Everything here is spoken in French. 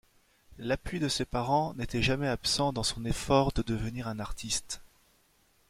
L'appui de ses parents n'était jamais absent dans son effort de devenir un artiste.